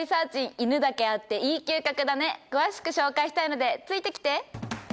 犬だけあっていい嗅覚だね詳しく紹介したいのでついてきて！